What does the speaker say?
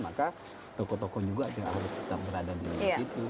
maka tokoh tokoh juga yang harus tetap berada di luar situ